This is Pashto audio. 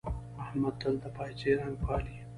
احمد تل د پايڅې رنګ پالي.